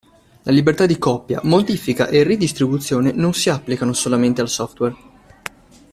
La libertà di copia, modifica e ridistribuzione non si applicano solamente al software.